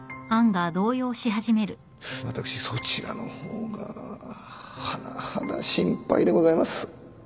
私そちらの方が甚だ心配でございます。